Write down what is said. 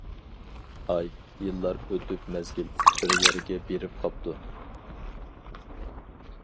ئاي، يىللار ئۆتۈپ مەزگىل، بىر يەرگە بېرىپ قاپتۇ.